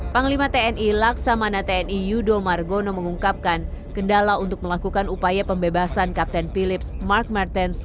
panglima tni laksamana tni yudo margono mengungkapkan kendala untuk melakukan upaya pembebasan kapten philips mark martens